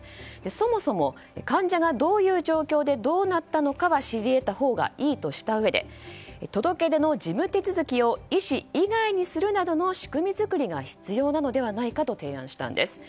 そもそも、患者がどういう状況でどうなったのかは知り得たほうがいいとしたうえで届け出の事務手続きを医師以外にするなどの仕組み作りが必要なのではないかと提案したんです。